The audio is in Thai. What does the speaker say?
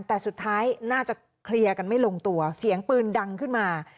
แต่สุดท้ายน่าจะเคลียร์กันไม่ลงตัวเสียงปืนดังขึ้นมา